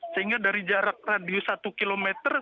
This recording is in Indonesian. sehingga dari jarak radius satu km